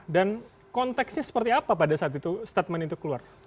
dan konteksnya seperti apa pada saat itu statement itu keluar